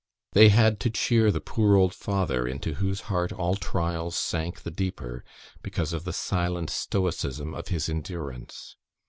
They had to cheer the poor old father, into whose heart all trials sank the deeper, because of the silent stoicism of his endurance.